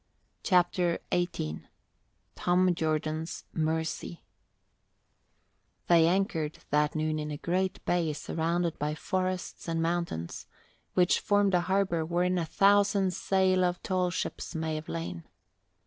CHAPTER XVIII TOM JORDAN'S MERCY They anchored that noon in a great bay surrounded by forests and mountains, which formed a harbour wherein a thousand sail of tall ships might have lain.